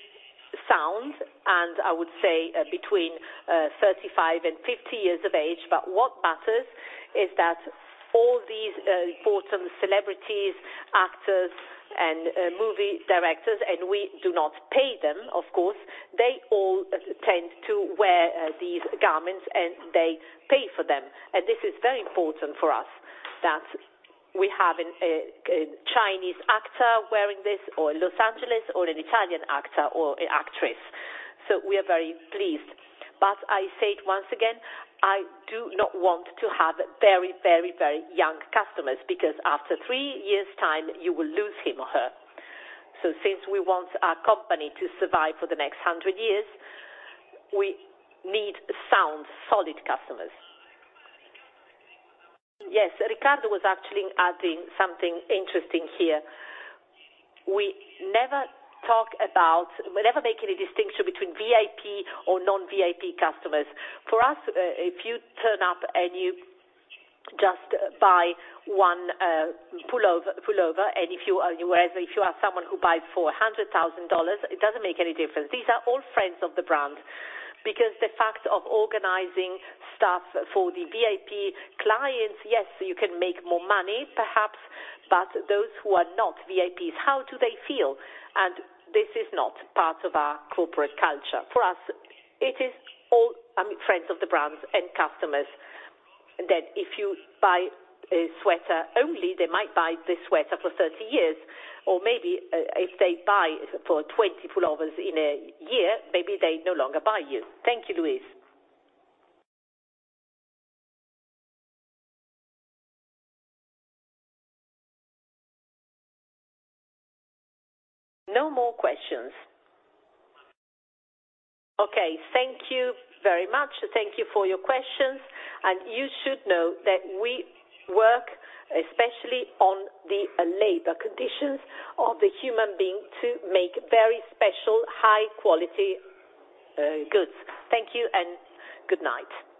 sound, and I would say between 35 and 50 years of age. What matters is that all these important celebrities, actors, and movie directors, and we do not pay them, of course, they all tend to wear these garments, and they pay for them. This is very important for us that we have a Chinese actor wearing this or in Los Angeles or an Italian actor or actress. We are very pleased. I say it once again, I do not want to have very, very, very young customers, because after 3 years' time, you will lose him or her. Since we want our company to survive for the next 100 years, we need sound, solid customers. Yes, Riccardo was actually adding something interesting here. We never make any distinction between VIP or non-VIP customers. For us, if you turn up, and you just buy one pullover, whereas if you are someone who buys $400,000, it doesn't make any difference. These are all friends of the brand because the fact of organizing stuff for the VIP clients, yes, you can make more money perhaps, but those who are not VIPs, how do they feel? This is not part of our corporate culture. For us, it is all, friends of the brand and customers, that if you buy a sweater, only they might buy the sweater for 30 years, or maybe if they buy for 20 pullovers in a year, maybe they no longer buy you. Thank you, Louise. No more questions. Okay, thank you very much. Thank you for your questions. You should know that we work especially on the labor conditions of the human being to make very special high-quality goods. Thank you and good night.